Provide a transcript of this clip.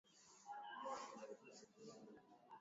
maana tunasema itakuwa mwanzo wa kuweza kusaidia mtaa wa likale